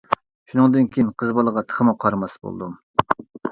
شۇنىڭدىن كېيىن قىز بالىغا تېخىمۇ قارىماس بولدۇم.